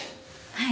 はい。